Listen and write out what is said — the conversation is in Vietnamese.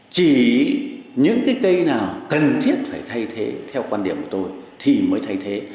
chỉ những cây nào cần thiết phải thay thế theo quan điểm của tôi thì mới thay thế